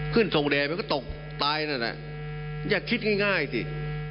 ทรงแดนมันก็ตกตายนั่นแหละอย่าคิดง่ายสิ